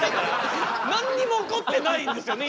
何にも起こってないんですよね